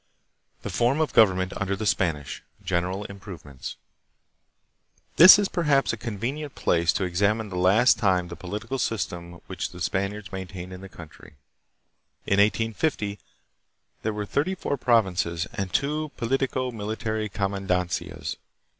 The Form of Government under the Spanish. General Improvements. This is perhaps a convenient place to examine for the last time the political system which the Spaniards maintained in the country. In 1850 there were thirty four provinces and two politico military command ancias.